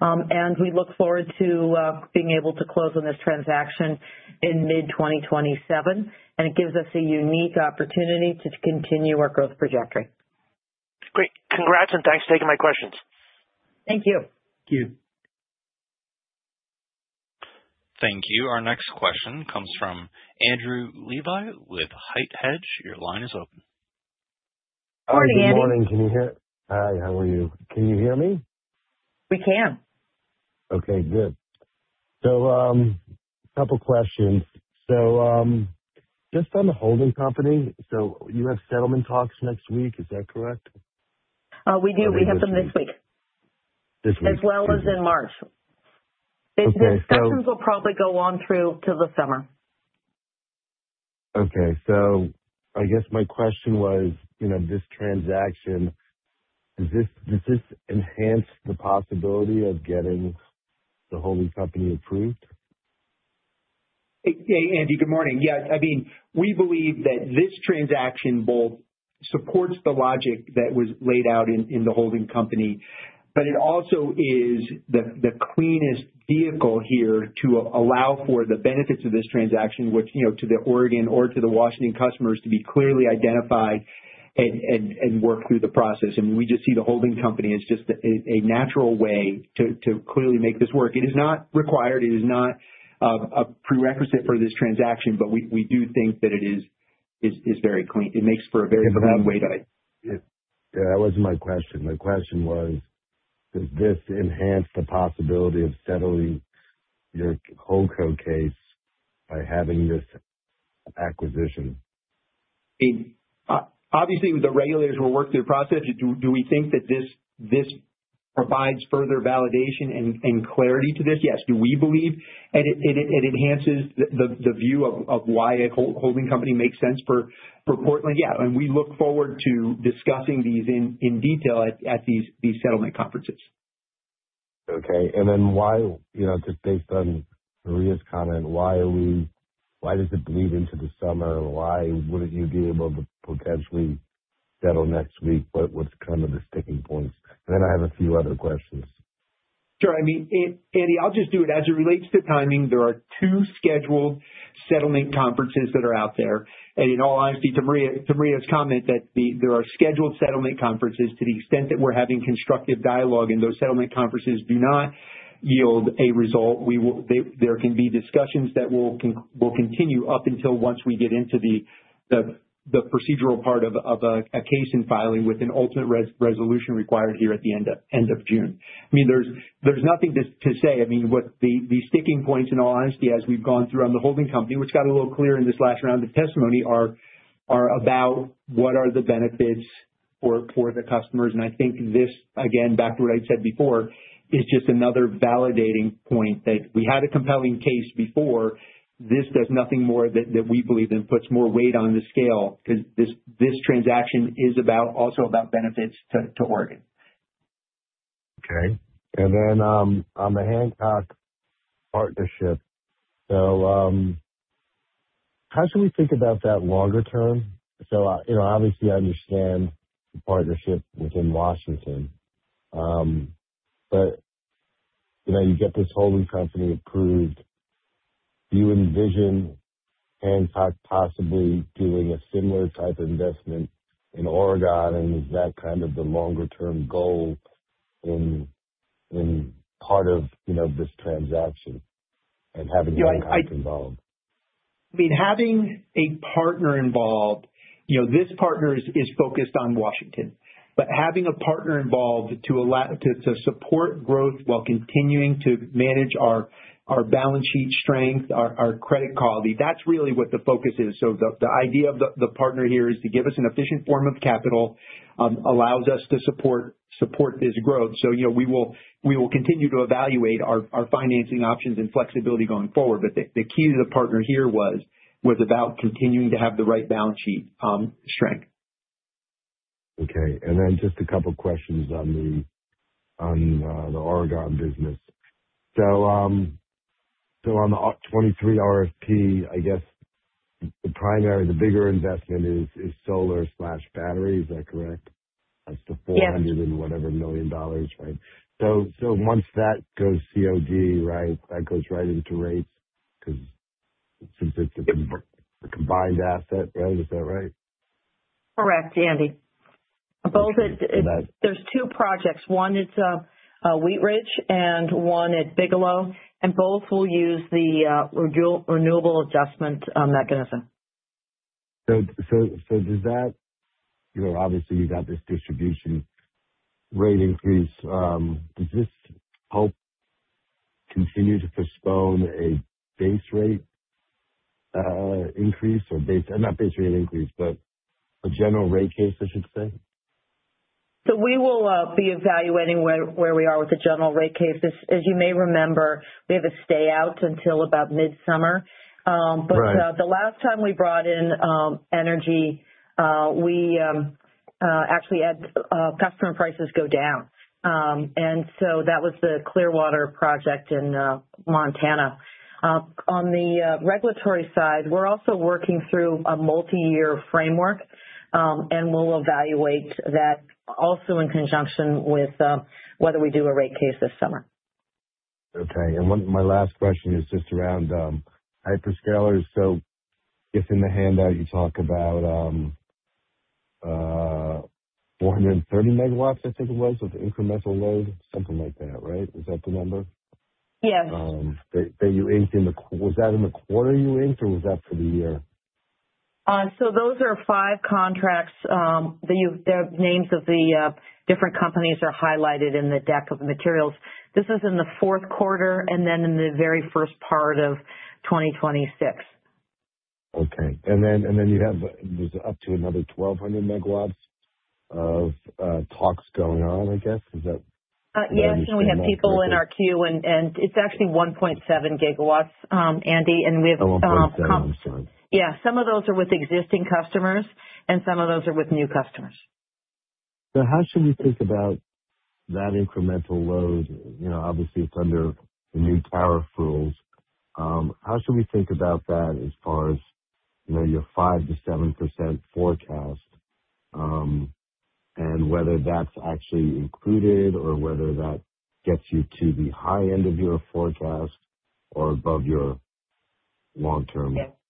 and we look forward to being able to close on this transaction in mid-2027, and it gives us a unique opportunity to continue our growth trajectory. Great. Congrats, and thanks for taking my questions. Thank you. Thank you. Thank you. Our next question comes from Andy Levi with HITE Hedge. Your line is open. Hi, Andy. Hi, good morning. Can you hear? Hi, how are you? Can you hear me? We can. Okay, good. So, a couple questions. So, just on the holding company, so you have settlement talks next week, is that correct? We do. We have them next week. This week. As well as in March. Okay, so- Discussions will probably go on through to the summer. Okay. So I guess my question was, you know, this transaction, does this, does this enhance the possibility of getting the holding company approved? Hey, Andy, good morning. Yes, I mean, we believe that this transaction both supports the logic that was laid out in the holding company, but it also is the cleanest vehicle here to allow for the benefits of this transaction, which, you know, to the Oregon or to the Washington customers, to be clearly identified and work through the process. And we just see the holding company as just a natural way to clearly make this work. It is not required. It is not a prerequisite for this transaction, but we do think that it is very clean. It makes for a very clean way to- Yeah, that wasn't my question. My question was, does this enhance the possibility of settling your holdco case by having this acquisition? It's obviously the regulators will work through the process. Do we think that this provides further validation and clarity to this? Yes. Do we believe it enhances the view of why a holding company makes sense for Portland? Yeah. And we look forward to discussing these in detail at these settlement conferences. Okay. And then why, you know, just based on Maria's comment, why does it bleed into the summer? Why wouldn't you be able to potentially settle next week? What's kind of the sticking points? And then I have a few other questions. Sure. I mean, it, Andy, I'll just do it. As it relates to timing, there are two scheduled settlement conferences that are out there. And in all honesty, to Maria's comment, there are scheduled settlement conferences to the extent that we're having constructive dialogue, and those settlement conferences do not yield a result. We will. There can be discussions that will continue up until we get into the procedural part of a case in filing with an ultimate resolution required here at the end of June. I mean, there's nothing to say. I mean, what the sticking points, in all honesty, as we've gone through on the holding company, which got a little clearer in this last round of testimony, are about what the benefits are for the customers. I think this, again, back to what I said before, is just another validating point that we had a compelling case before. This does nothing more than, than we believe, and puts more weight on the scale, because this, this transaction is about, also about benefits to, to Oregon. Okay. And then, on the Hancock partnership, so, how should we think about that longer term? So, you know, obviously I understand the partnership within Washington. But, you know, you get this holding company approved. Do you envision Hancock possibly doing a similar type of investment in Oregon, and is that kind of the longer term goal in part of, you know, this transaction and having Hancock involved? I mean, having a partner involved, you know, this partner is focused on Washington, but having a partner involved to allow to support growth while continuing to manage our balance sheet strength, our credit quality, that's really what the focus is. So the idea of the partner here is to give us an efficient form of capital, allows us to support this growth. So, you know, we will continue to evaluate our financing options and flexibility going forward. But the key to the partner here was about continuing to have the right balance sheet strength. Okay. And then just a couple questions on the Oregon business. So on the August 2023 RFP, I guess the primary, the bigger investment is solar/battery, is that correct? Yes. That's the $400-and-whatever million dollars, right? So once that goes COD, right, that goes right into rates, 'cause since it's a combined asset, right? Is that right? Correct, Andy. Got it. There's two projects. One is Wheatridge and one at Biglow, and both will use the renewable adjustment mechanism. So, does that. You know, obviously you've got this distribution rate increase. Does this help continue to postpone a base rate increase or base—not base rate increase, but a general rate case, I should say? So we will be evaluating where we are with the general rate case. As you may remember, we have a stay out until about midsummer. Right. But the last time we brought in energy, we actually had customer prices go down. And so that was the Clearwater project in Montana. On the regulatory side, we're also working through a multi-year framework, and we'll evaluate that also in conjunction with whether we do a rate case this summer. Okay. And my last question is just around hyperscalers. So just in the handout, you talk about 430 megawatts, I think it was, of incremental load. Something like that, right? Is that the number? Yes. That you inked in the, was that in the quarter you inked, or was that for the year? So those are five contracts, that the names of the different companies are highlighted in the deck of materials. This is in the fourth quarter, and then in the very first part of 2026. Okay. And then, and then you have, there's up to another 1,200 megawatts of talks going on, I guess. Is that- Yes, and we have people in our queue, and it's actually 1.7 gigawatts, Andy, and we have- Oh, 1.7, I'm sorry. Yeah. Some of those are with existing customers, and some of those are with new customers. So how should we think about that incremental load? You know, obviously, it's under the new tariff rules. How should we think about that as far as, you know, your 5%-7% forecast, and whether that's actually included or whether that gets you to the high end of your forecast or above your long-term- Yeah - growth rate?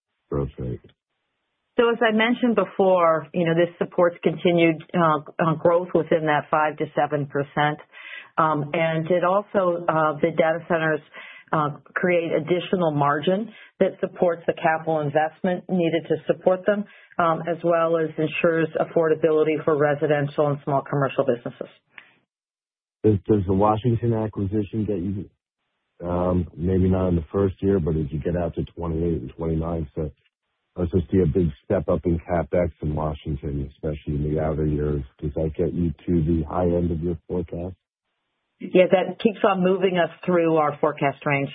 So as I mentioned before, you know, this supports continued growth within that 5%-7%. And it also, the data centers create additional margin that supports the capital investment needed to support them, as well as ensures affordability for residential and small commercial businesses. Does the Washington acquisition get you, maybe not in the first year, but as you get out to 2028 and 2029, so does this see a big step-up in CapEx in Washington, especially in the outer years? Does that get you to the high end of your forecast? Yeah, that keeps on moving us through our forecast range,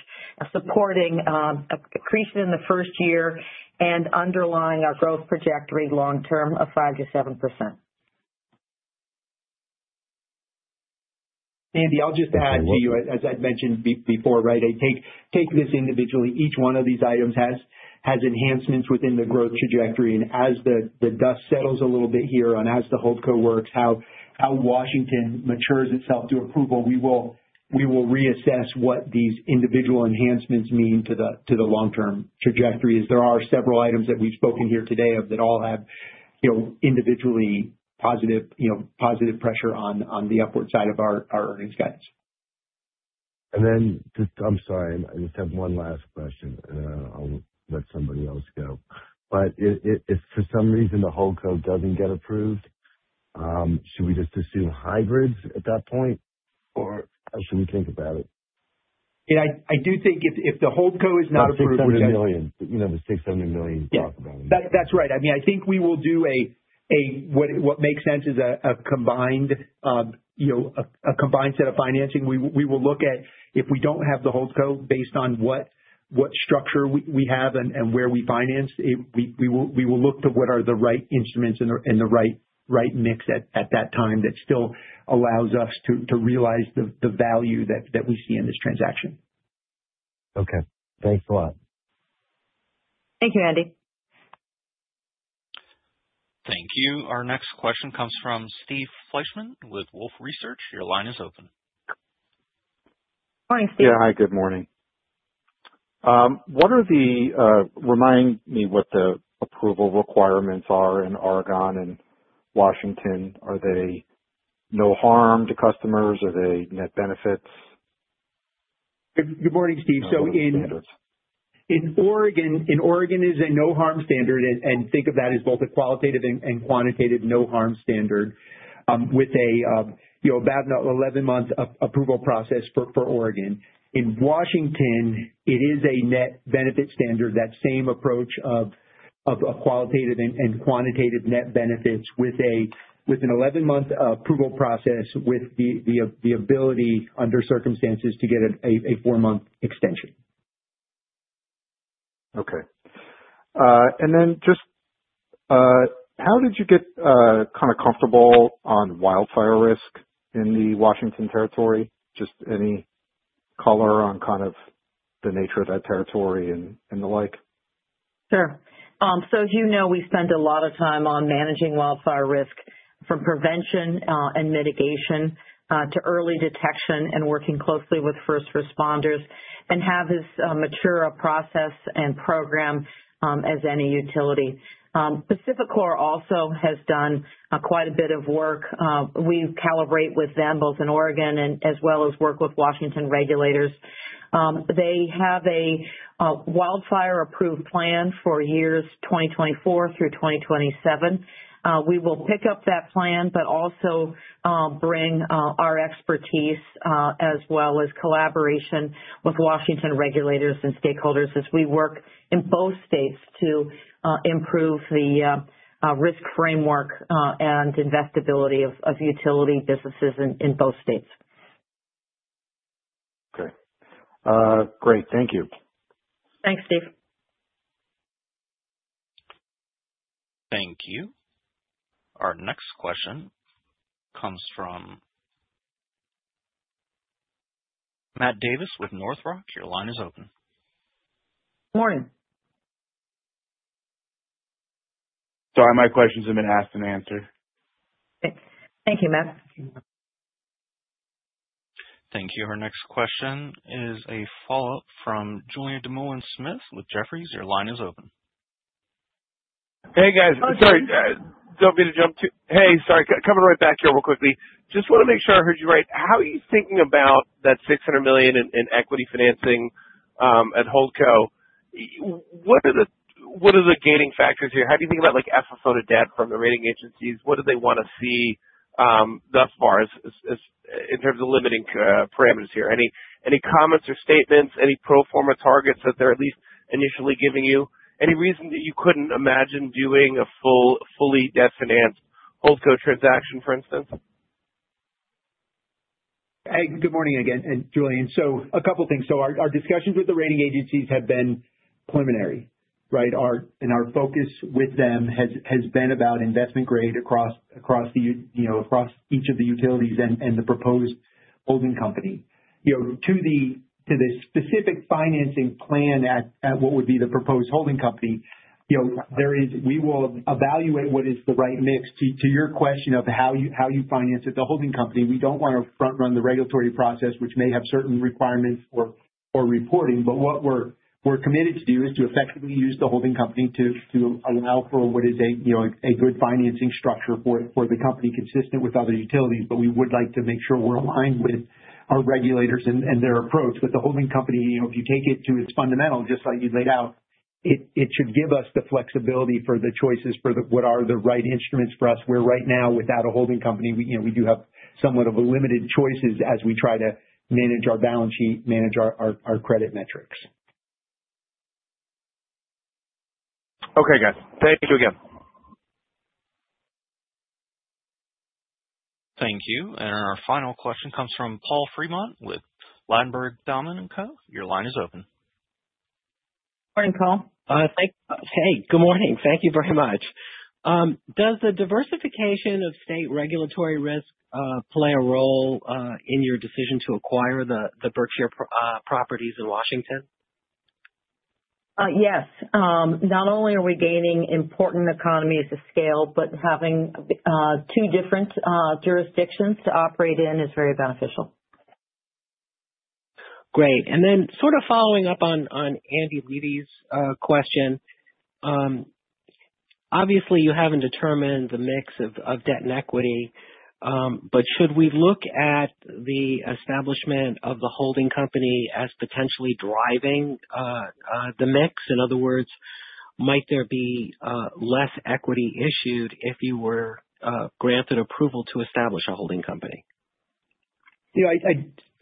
supporting a decrease in the first year and underlying our growth trajectory long term of 5%-7%. Andy, I'll just add to you, as I'd mentioned before, right? I take this individually. Each one of these items has enhancements within the growth trajectory. And as the dust settles a little bit here on, as the holdco works, how Washington matures itself to approval, we will reassess what these individual enhancements mean to the long-term trajectories. There are several items that we've spoken here today of that all have, you know, individually positive, you know, positive pressure on the upward side of our earnings guidance. And then just, I'm sorry, I just have one last question, and then I'll let somebody else go. But if, if, if for some reason, the holdco doesn't get approved, should we just assume hybrids at that point, or how should we think about it? Yeah, I do think if the holdco is not approved- $600 million, you know, the $600 million you talk about. Yeah. That's right. I mean, I think we will do a -- what makes sense is a combined, you know, a combined set of financing. We will look at, if we don't have the holdco, based on what structure we have and where we financed, we will look to what are the right instruments and the right mix at that time, that still allows us to realize the value that we see in this transaction. Okay. Thanks a lot. Thank you, Andy. Thank you. Our next question comes from Steve Fleishman with Wolfe Research. Your line is open. Morning, Steve. Yeah. Hi, good morning. What are the, Remind me what the approval requirements are in Oregon and Washington. Are they no harm to customers? Are they net benefits? Good, good morning, Steve. Yeah. So in Oregon, it is a no-harm standard. And think of that as both a qualitative and quantitative no-harm standard, you know, about an 11-month approval process for Oregon. In Washington, it is a net benefit standard. That same approach of a qualitative and quantitative net benefits with an 11-month approval process, with the ability, under circumstances, to get a 4-month extension. Okay. And then just, how did you get kind of comfortable on wildfire risk in the Washington territory? Just any color on kind of the nature of that territory and the like? Sure. So as you know, we spend a lot of time on managing wildfire risk, from prevention, and mitigation, to early detection and working closely with first responders, and have as mature a process and program, as any utility. PacifiCorp also has done, quite a bit of work. We calibrate with them both in Oregon and as well as work with Washington regulators. They have a wildfire-approved plan for years 2024 through 2027. We will pick up that plan, but also, bring our expertise, as well as collaboration with Washington regulators and stakeholders, as we work in both states to improve the risk framework, and investability of utility businesses in both states. Okay. Great. Thank you. Thanks, Steve. Thank you. Our next question comes from Matt Davis with North Rock. Your line is open. Morning. Sorry, my questions have been asked and answered. Thank you, Matt. Thank you. Our next question is a follow-up from Julien Dumoulin-Smith with Jefferies. Your line is open. Hey, guys. Sorry, don't mean to jump. Hey, sorry, coming right back here real quickly. Just want to make sure I heard you right. How are you thinking about that $600 million in equity financing at Holdco? What are the gaining factors here? How do you think about, like, FFO to debt from the rating agencies? What do they want to see thus far as in terms of limiting parameters here? Any comments or statements, any pro forma targets that they're at least initially giving you? Any reason that you couldn't imagine doing a fully debt finance Holdco transaction, for instance? Hey, good morning again, and Julian. So a couple things. So our discussions with the rating agencies have been preliminary, right? Our focus with them has been about investment grade across, you know, across each of the utilities and the proposed holding company. You know, to the specific financing plan at what would be the proposed holding company, you know, there is, we will evaluate what is the right mix. To your question of how you finance it, the holding company, we don't want to front run the regulatory process, which may have certain requirements for reporting. But what we're committed to do is to effectively use the holding company to allow for what is a, you know, a good financing structure for the company, consistent with other utilities. But we would like to make sure we're aligned with our regulators and their approach. With the holding company, you know, if you take it to its fundamental, just like you laid out, it should give us the flexibility for the choices for the, what are the right instruments for us, where right now, without a holding company, we, you know, we do have somewhat of a limited choices as we try to manage our balance sheet, manage our credit metrics. Okay, guys. Thank you again. Thank you. And our final question comes from Paul Fremont with Ladenburg Thalmann & Co. Your line is open. Morning, Paul. Hey, good morning. Thank you very much. Does the diversification of state regulatory risk play a role in your decision to acquire the Berkshire properties in Washington? Yes. Not only are we gaining important economies of scale, but having two different jurisdictions to operate in is very beneficial. Great. Then sort of following up on Andy Levi's question. Obviously you haven't determined the mix of debt and equity, but should we look at the establishment of the holding company as potentially driving the mix? In other words, might there be less equity issued if you were granted approval to establish a holding company? Yeah,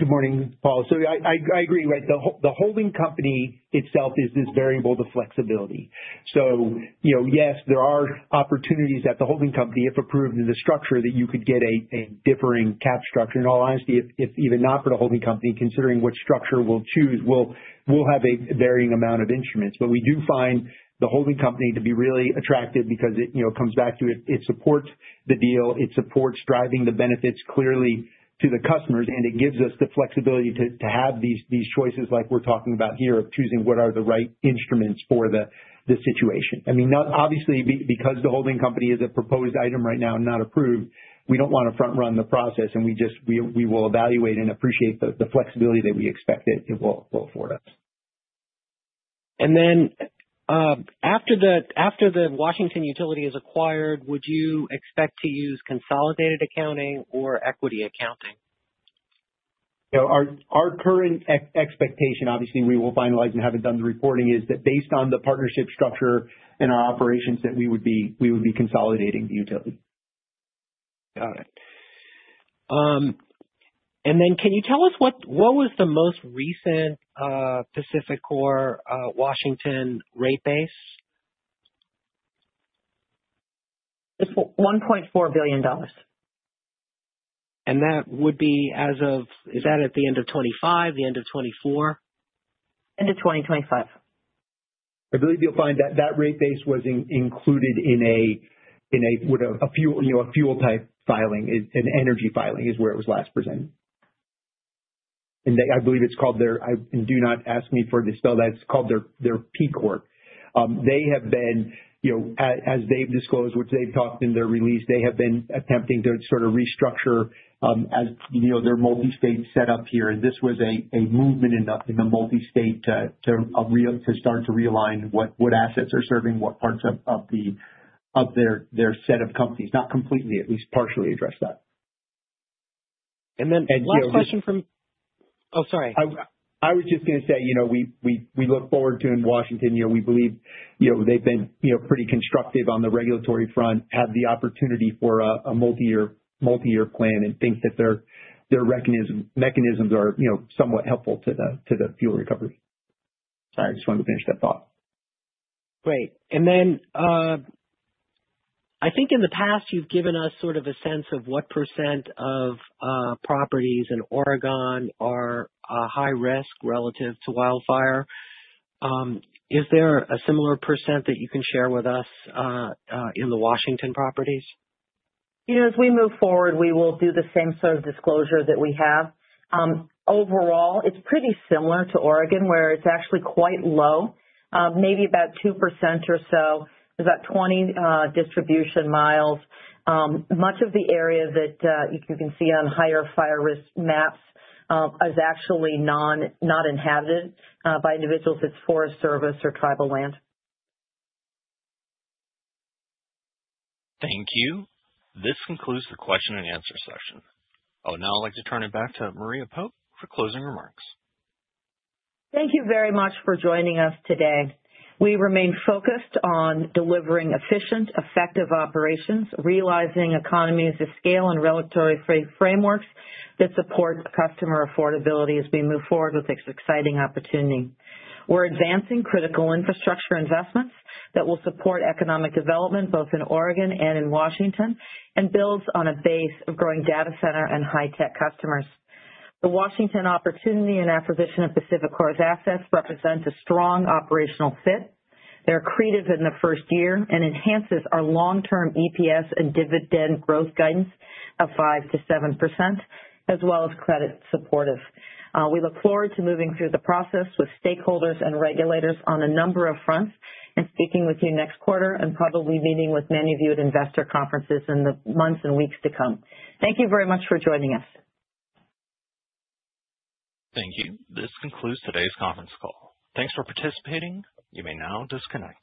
Good morning, Paul. So I agree, right? The holding company itself is this variable, the flexibility. So, you know, yes, there are opportunities at the holding company, if approved in the structure, that you could get a differing cap structure. And in all honesty, if even not for the holding company, considering which structure we'll choose, we'll have a varying amount of instruments. But we do find the holding company to be really attractive because it, you know, comes back to it. It supports the deal, it supports driving the benefits clearly to the customers, and it gives us the flexibility to have these choices like we're talking about here, of choosing what are the right instruments for the situation. I mean, obviously, because the holding company is a proposed item right now and not approved, we don't want to front run the process, and we will evaluate and appreciate the flexibility that we expect it will afford us. And then, after the Washington utility is acquired, would you expect to use consolidated accounting or equity accounting? You know, our current expectation, obviously, we will finalize and haven't done the reporting, is that based on the partnership structure and our operations, that we would be consolidating the utility. Got it. And then can you tell us what was the most recent PacifiCorp Washington rate base? It's $1.4 billion. That would be as of, is that at the end of 2025, the end of 2024? End of 2025. I believe you'll find that that rate base was included in a, in a, what a fu- you know, a fuel type filing. An energy filing is where it was last presented. And I believe it's called their, and do not ask me to spell that. It's called their PCOR. They have been, you know, as they've disclosed, which they've talked in their release, they have been attempting to sort of restructure, as you know, their multi-state setup here. And this was a movement in the multi-state to start to realign what assets are serving what parts of their set of companies. Not completely, at least partially address that. Last question from- You know- Oh, sorry. I was just gonna say, you know, we look forward to in Washington, you know, we believe, you know, they've been, you know, pretty constructive on the regulatory front. Have the opportunity for a multi-year plan and think that their recognition mechanisms are, you know, somewhat helpful to the fuel recovery. Sorry, I just wanted to finish that thought. Great. And then, I think in the past, you've given us sort of a sense of what percent of properties in Oregon are high risk relative to wildfire. Is there a similar percent that you can share with us in the Washington properties? You know, as we move forward, we will do the same sort of disclosure that we have. Overall, it's pretty similar to Oregon, where it's actually quite low, maybe about 2% or so, about 20 distribution miles. Much of the area that you can see on higher fire risk maps is actually not inhabited by individuals. It's Forest Service or tribal land. Thank you. This concludes the question and answer session. I would now like to turn it back to Maria Pope for closing remarks. Thank you very much for joining us today. We remain focused on delivering efficient, effective operations, realizing economies of scale and regulatory frameworks that support customer affordability as we move forward with this exciting opportunity. We're advancing critical infrastructure investments that will support economic development, both in Oregon and in Washington, and builds on a base of growing data center and high tech customers. The Washington opportunity and acquisition of PacifiCorp's assets represents a strong operational fit. They're accretive in the first year and enhances our long-term EPS and dividend growth guidance of 5%-7%, as well as credit supportive. We look forward to moving through the process with stakeholders and regulators on a number of fronts, and speaking with you next quarter, and probably meeting with many of you at investor conferences in the months and weeks to come. Thank you very much for joining us. Thank you. This concludes today's conference call. Thanks for participating. You may now disconnect.